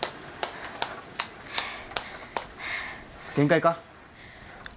限界か？